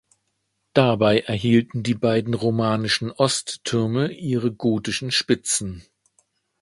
Dabei erhielten die beiden romanischen Osttürme ihre gotischen Spitzen.